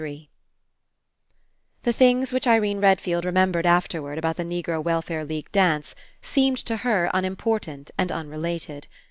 THREE The things which Irene Redfield remembered afterward about the Negro Welfare League dance seemed, to her, unimportant and unre lated.